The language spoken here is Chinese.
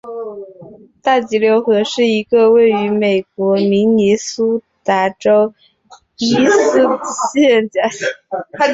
大急流城是一个位于美国明尼苏达州伊塔斯加县的都市。